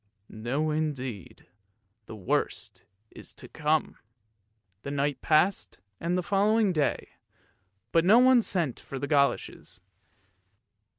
No indeed, the worst is to come. The night passed and the following day, but no one sent for the goloshes.